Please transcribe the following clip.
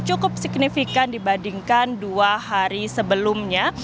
cukup signifikan dibandingkan dua hari sebelumnya